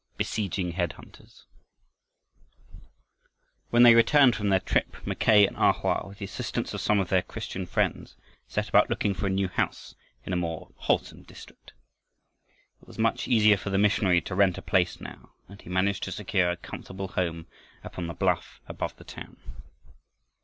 BESIEGING HEAD HUNTERS When they returned from their trip, Mackay and A Hoa with the assistance of some of their Christian friends set about looking for a new house in a more wholesome district. It was much easier for the missionary to rent a place now, and he managed to secure a comfortable home upon the bluff above the town.